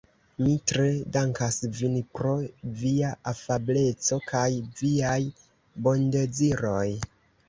Mi tre dankas vin pro via afableco kaj viaj bondeziroj.